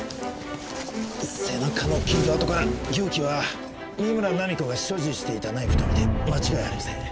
背中の傷痕から凶器は三村菜実子が所持していたナイフと見て間違いありません。